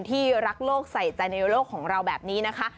ที่รักโลกใส่ใจในโลกของเราแบบนี้นะคะ